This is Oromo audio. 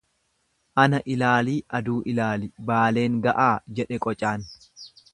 Ana ilaalii aduu ilaali Baaleen ga'aa jedhe qocaan.